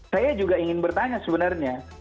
saya juga ingin bertanya sebenarnya